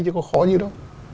chứ có khó như đó